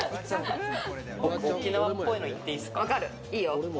沖縄っぽいの、いっていいですか？